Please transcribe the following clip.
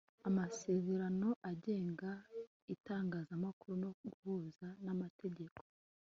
amasezerano agenga itangazamakuru no guhuza n'amategeko